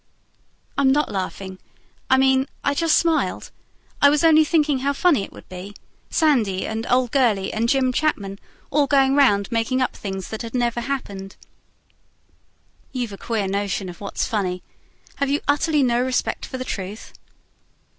"I'm not laughing. I mean ... I just smiled. I was only thinking how funny it would be Sandy, and old Gurley, and Jim Chapman, all going round making up things that had never happened." "You've a queer notion of what's funny. Have you utterly no respect for the truth?"